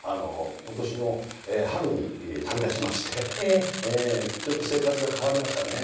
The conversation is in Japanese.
今年の春に旅立ちましてちょっと生活が変わりましたね。